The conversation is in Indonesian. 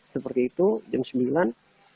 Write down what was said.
seperti itu jam sembilan